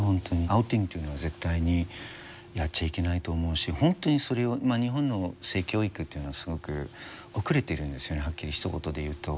アウティングというのは絶対にやっちゃいけないと思うし本当にそれを日本の性教育というのはすごく後れてるんですよねはっきりひと言で言うと。